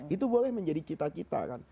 itu boleh menjadi cita cita kan